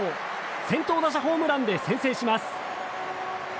先頭打者ホームランで先制します。